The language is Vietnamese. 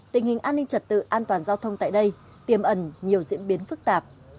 tình hình an ninh trật tự an toàn giao thông tại đây tiềm ẩn nhiều diễn biến phức tạp